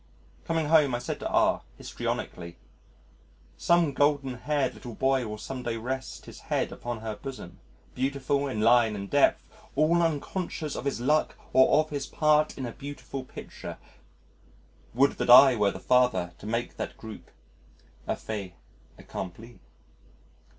Coming home I said to R histrionically, "Some golden haired little boy will some day rest his head upon her bosom, beautiful in line and depth, all unconscious of his luck or of his part in a beautiful picture would that I were the father to make that group a _fait accompli.